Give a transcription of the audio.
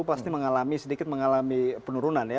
pasti mengalami sedikit mengalami penurunan ya